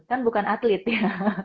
kan bukan atlet ya